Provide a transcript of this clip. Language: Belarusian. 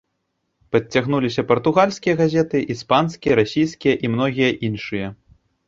Падцягнуліся партугальскія газеты, іспанскія, расійскія і многія іншыя.